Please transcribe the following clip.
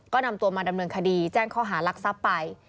ก็นำตัวมาดำเนินคดีแจ้งข้อหารักทรัพย์ไป